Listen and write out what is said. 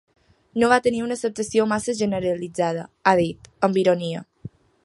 No va tenir una acceptació massa generalitzada, ha dit, amb ironia.